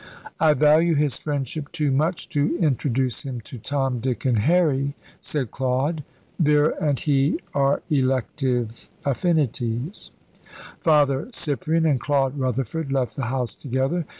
"I value his friendship too much to introduce him to Tom, Dick, and Harry," said Claude. "Vera and he are elective affinities." Father Cyprian and Claude Rutherford left the house together.